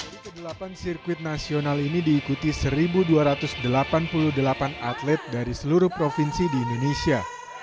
di kedelapan sirkuit nasional ini diikuti satu dua ratus delapan puluh delapan atlet dari seluruh provinsi di indonesia